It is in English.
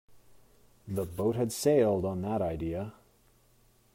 The boat had sailed on that idea.